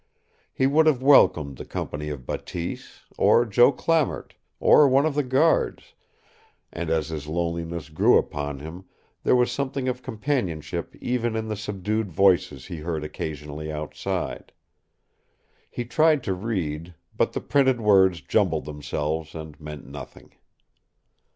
He would have welcomed the company of Bateese, or Joe Clamart, or one of the guards, and as his loneliness grew upon him there was something of companionship even in the subdued voices he heard occasionally outside. He tried to read, but the printed words jumbled themselves and meant nothing.